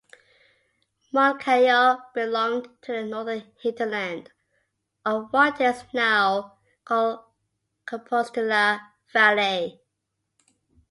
Monkayo belonged to the northern hinterland of what is now called Compostela Valley.